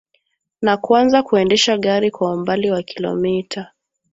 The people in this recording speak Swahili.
Na kuanza kuendesha gari kwa umbali wa kilomita